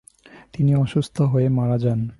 তিনি অসুস্থ হয়ে মারা যান।